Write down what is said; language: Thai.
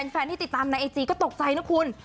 แฟนที่ติดตามในไอจีก็ตกใจนะคุณ